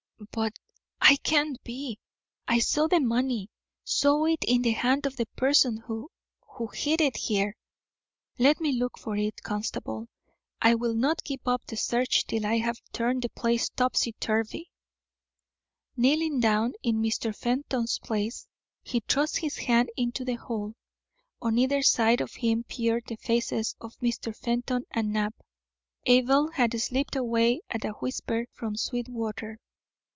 "But I can't be. I saw the money; saw it in the hand of the person who hid it there. Let me look for it, constable. I will not give up the search till I have turned the place topsy turvy." Kneeling down in Mr. Fenton's place, he thrust his hand into the hole. On either side of him peered the faces of Mr. Fenton and Knapp. (Abel had slipped away at a whisper from Sweetwater.)